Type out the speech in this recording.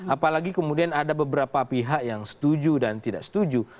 apalagi kemudian ada beberapa pihak yang setuju dan tidak setuju